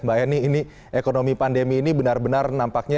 mbak eni ini ekonomi pandemi ini benar benar nampaknya